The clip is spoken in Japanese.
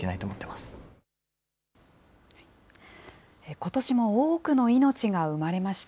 ことしも多くの命が産まれました。